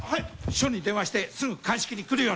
署に電話してすぐ鑑識に来るように。